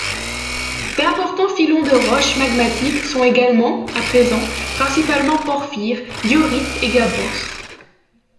D'importants filons de roches magmatiques sont également à présents, principalement porphyre, diorite et gabbros.